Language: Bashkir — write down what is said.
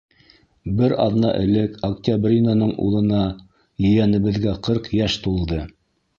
Бер аҙна элек Октябринаның улына, ейәнебеҙгә, ҡырҡ йәш тулды...